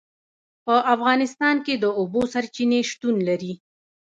په افغانستان کې د اوبو سرچینې شتون لري.